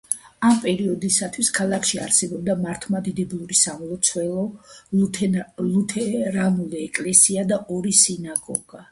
ამ პერიოდისათვის ქალაქში არსებობდა მართლმადიდებლური სამლოცველო, ლუთერანული ეკლესია და ორი სინაგოგა.